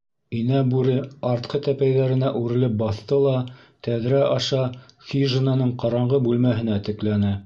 — Инә Бүре артҡы тәпәйҙәренә үрелеп баҫты ла тәҙрә аша хижинаның ҡараңғы бүлмәһенә текләне.